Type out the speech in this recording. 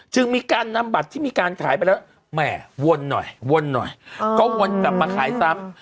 จึงมีการนำบัตรที่มีการขายไปแล้วแหม่วนหน่อยวนหน่อยก็วนกลับมาขายซ้ำ